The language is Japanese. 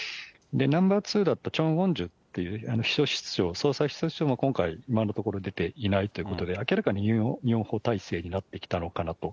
ナンバー２だったチョン・ウォンジュっていう秘書室長、総裁室長も今のところも出ていないということで、明らかにユン・ヨンホ体制になってきたのかなと。